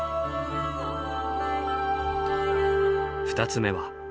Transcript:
２つ目は。